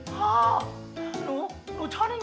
หนูหนูชอตจริง